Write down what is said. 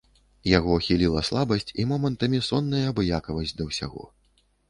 Яго хіліла слабасць і момантамі сонная абыякавасць да ўсяго.